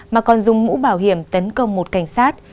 mà còn dùng mũ bảo hiểm tấn công một cảnh sát